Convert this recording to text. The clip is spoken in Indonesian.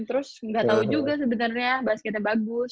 terus gak tau juga sebenernya basketnya bagus